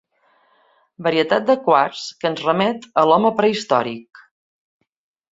Varietat de quars que ens remet a l'home prehistòric.